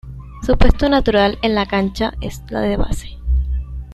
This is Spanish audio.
Su puesto natural en la cancha es la de base.